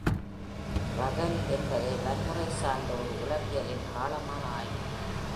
"இரகல்" என்பது வன்முறை சார்ந்த உளவியலின் ஆழமான ஆய்வு.